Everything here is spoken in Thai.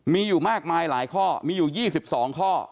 มีอยู่มากมายหลายข้อมีอยู่๒๒ข้อ